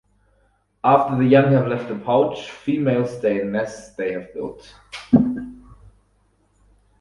After the young have left the pouch, females stay in nests they have built.